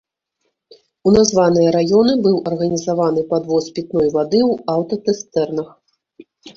У названыя раёны быў арганізаваны падвоз пітной вады ў аўтацыстэрнах.